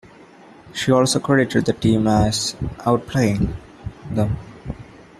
She also credited the team as "out playing" them.